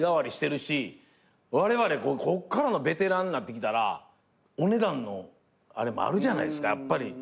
われわれここからのベテランになってきたらお値段のあれもあるじゃないですかやっぱり。